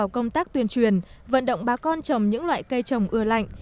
công tác tuyên truyền vận động bà con trồng những loại cây trồng ưa lạnh